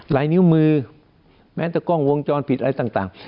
ลายนิ้วมือแม้แต่กล้องวงจรปิดอะไรต่าง